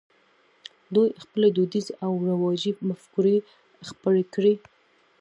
دوی خپلې دودیزې او رواجي مفکورې خپرې کړې.